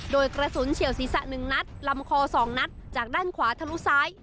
โดยกระสุนเฉียวศีรษะ๑นัดลำคอ๒นัดจากด้านขวาทะลุซ้าย